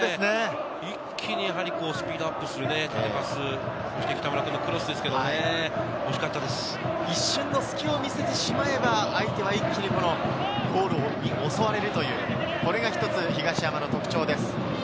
一気にスピードアップする縦パス、一瞬の隙を見せてしまえば相手は一気にゴールを襲われるというこれがひとつ東山の特徴です。